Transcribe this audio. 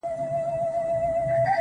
o ورځه وريځي نه جــلا ســـولـه نـــن.